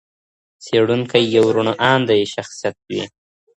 څېړونکی یو روڼ اندی شخصیت وي.